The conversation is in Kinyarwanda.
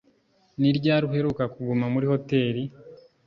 Ni ryari uheruka kuguma muri hoteri?